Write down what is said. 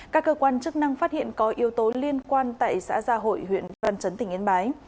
các cơ quan chức năng phát hiện có yếu tố liên quan tại xã gia hội huyện văn chấn tỉnh yên bái